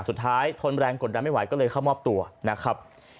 สุดท้ายทนแรงกฎแล้วไม่ไหวก็เลยเข้ามอบตัวนะครับ